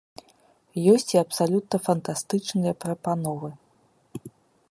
Ёсць і абсалютна фантастычныя прапановы.